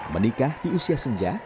menikah di usia senja